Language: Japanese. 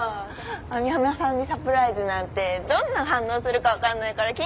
網浜さんにサプライズなんてどんな反応するか分からないから緊張するね。